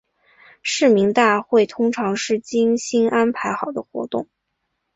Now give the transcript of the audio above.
市民大会通常是精心安排好的活动。